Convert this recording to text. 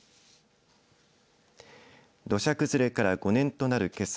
土砂崩れから５年となるけさ